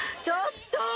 ちょっと。